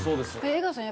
江川さん